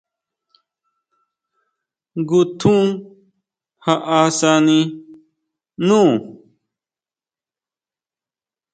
Ngutjun jaʼásani nú.